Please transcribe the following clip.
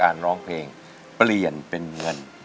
ร้องเพลงเปลี่ยนเป็นเงิน